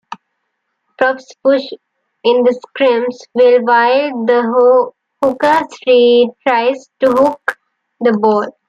Props push in the scrums, while the hooker tries to "hook" the ball.